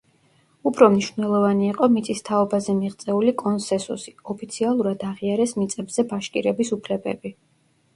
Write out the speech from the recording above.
უფრო მნიშვნელოვანი იყო მიწის თაობაზე მიღწეული კონსესუსი: ოფიციალურად აღიარეს მიწებზე ბაშკირების უფლებები.